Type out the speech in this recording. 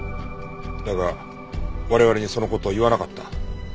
だが我々にその事を言わなかった。